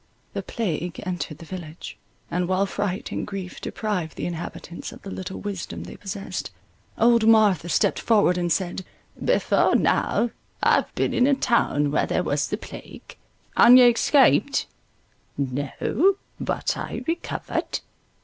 The plague entered the village; and, while fright and grief deprived the inhabitants of the little wisdom they possessed, old Martha stepped forward and said— "Before now I have been in a town where there was the plague."—"And you escaped?"—"No, but I recovered."